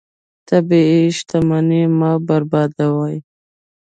طبیعي شتمنۍ مه بربادوه.